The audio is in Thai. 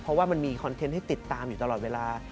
เพราะว่ามันมีคอนเทนต์ให้ติดตามอยู่ตลอดเวลา